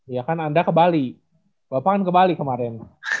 ya kan anda ke bali bapak kan ke bali kemarin